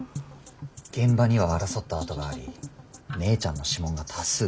現場には争った跡があり姉ちゃんの指紋が多数検出されている。